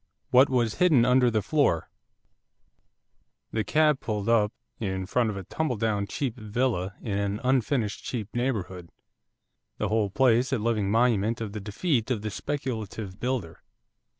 WHAT WAS HIDDEN UNDER THE FLOOR The cab pulled up in front of a tumbledown cheap 'villa' in an unfinished cheap neighbourhood, the whole place a living monument of the defeat of the speculative builder.